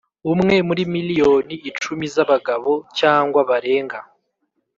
umwe muri miliyoni icumi z'abagabo cyangwa barenga.